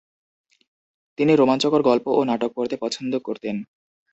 তিনি রোমাঞ্চকর গল্প ও নাটক পড়তে পছন্দ করতেন।